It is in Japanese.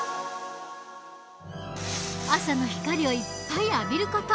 朝の光をいっぱい浴びる事。